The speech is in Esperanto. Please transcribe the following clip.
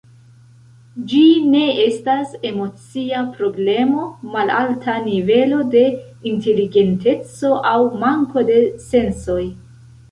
Ĝi ne estas emocia problemo, malalta nivelo de inteligenteco aŭ manko de sensoj.